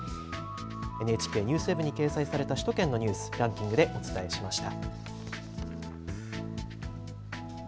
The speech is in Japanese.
ＮＨＫＮＥＷＳＷＥＢに掲載された首都圏のニュース、ランキングでお伝えしました。